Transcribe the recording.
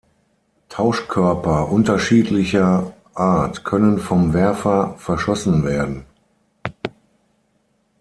Täuschkörper unterschiedlicher Art können vom Werfer verschossen werden.